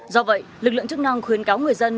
do vậy lực lượng chức năng khuyến cáo người dân